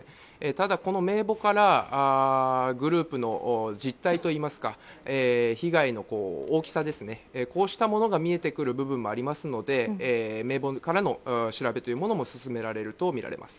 ただ、この名簿からグループの実態といいますか被害の大きさこうしたものが見えてくる部分もありますので名簿からの調べというものも進められるとみられます。